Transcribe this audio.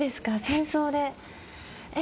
戦争で。